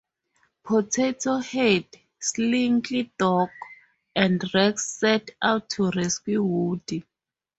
Potato Head, Slinky Dog, and Rex set out to rescue Woody.